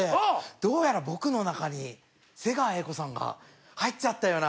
どうやら僕の中に瀬川瑛子さんが入っちゃったような。